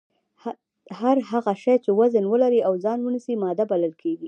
هر هغه شی چې وزن ولري او ځای ونیسي ماده بلل کیږي